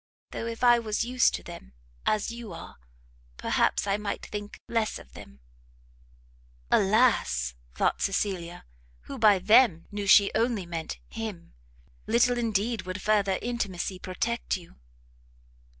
though if I was used to them, as you are, perhaps I might think less of them." Alas! thought Cecilia, who by them knew she only meant him, little indeed would further intimacy protect you!